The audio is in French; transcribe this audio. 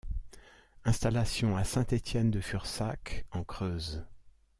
Installation à Saint-Étienne de Fursac, en Creuse.